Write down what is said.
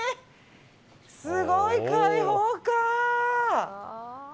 すごい解放感！